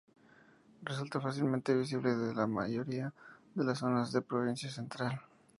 Resulta fácilmente visible desde la mayoría de las zonas de la Provincia Central.